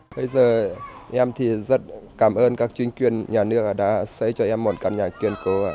bây giờ em thì rất cảm ơn các chính quyền nhà nước đã xây cho em một căn nhà kiên cố